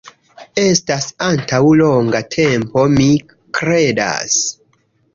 Estas antaŭ longa tempo, mi kredas